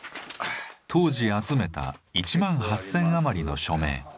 当時集めた１万８，０００余りの署名。